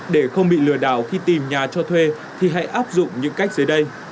để không bị lừa đảo khi tìm nhà cho thuê thì hãy áp dụng những cách dưới đây